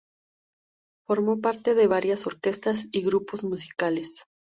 Formó parte de varias orquestas y grupos musicales.